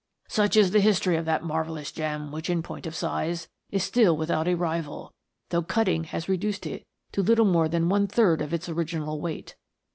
" Such is the history of that marvellous gem which, in point of size, is still without a rival, though cut ting has reduced it to little more than one third of its original weight.